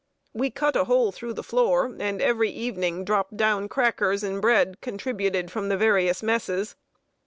We cut a hole through the floor, and every evening dropped down crackers and bread, contributed from the various messes.